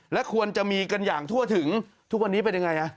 และควรจะมีกันอย่างทั่วถึงทุกวันนี้เป็นยังไง